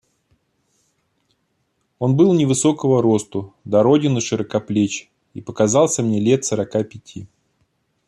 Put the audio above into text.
Он был невысокого росту, дороден и широкоплеч, и показался мне лет сорока пяти.